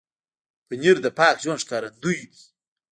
پنېر د پاک ژوند ښکارندوی دی.